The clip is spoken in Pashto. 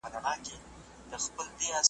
زما لمسیو کړوسیو ته پاتیږي .